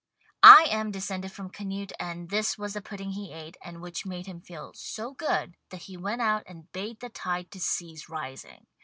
I am descended from Canute, and this was the pudding he ate and which made him feel so good that he went out and bade the tide to cease rising.